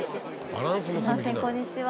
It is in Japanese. すいませんこんにちは。